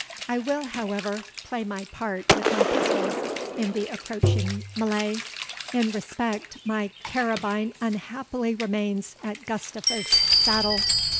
I will, however, play my part with my pistols in the approaching melley, in respect my carabine unhappily remains at Gustavus's saddle.